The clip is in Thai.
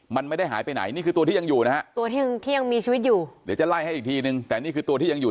มันไม่ได้หายไปไหนนี่คือตัวที่ยังอยู่นะฮะตัวที่ยังมีชีวิตอยู่เดี๋ยวจะไล่ให้อีกทีนึงแต่นี่คือตัวที่ยังอยู่